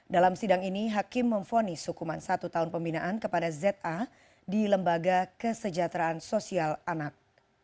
dalam sidang ini hakim memfonis hukuman satu tahun pembinaan kepada za di lembaga kesejahteraan sosial anak